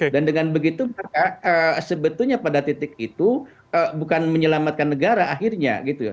dan dengan begitu pak sebetulnya pada titik itu bukan menyelamatkan negara akhirnya gitu ya